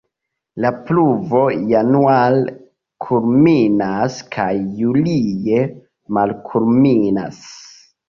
La pluvo januare kulminas kaj julie malkulminas.